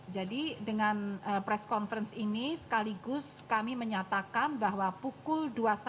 jadi dengan press conference ini sekaligus kami menyatakan bahwa pukul dua puluh satu tiga puluh